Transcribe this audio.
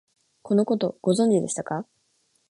このこと、ご存知でしたか？